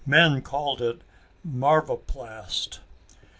Men called it marvaplast.